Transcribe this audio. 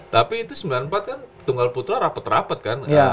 tapi itu sembilan puluh empat kan tunggal putra rapat rapat kan